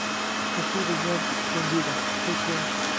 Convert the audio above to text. خوښي د ژوند کونجي ده پوه شوې!.